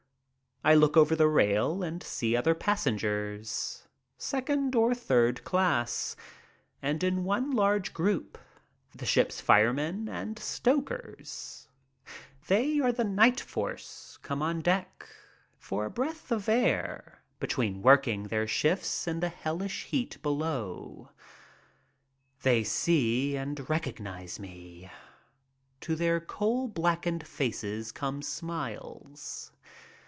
I look over the rail and see other passengers, second or third class, and in one large group the ship's firemen and stokers. They are the' DAYS ON SHIPBOARD 27 night force come on deck for a breath of air between working their shifts in the hellish heat below. They see and recognize me. To their coal blackened faces come smiles.